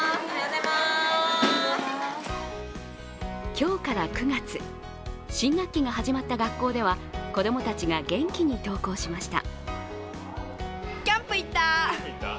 今日から９月、新学期が始まった学校では子供たちが元気に登校しました。